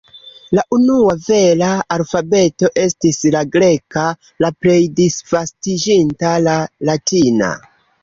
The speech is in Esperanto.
La unua vera alfabeto estis la greka, la plej disvastiĝinta la latina.